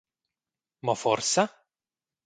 «Mo forsa?»